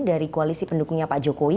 dari koalisi pendukungnya pak jokowi